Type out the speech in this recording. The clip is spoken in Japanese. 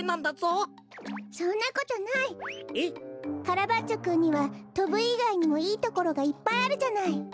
カラバッチョくんにはとぶいがいにもいいところがいっぱいあるじゃない。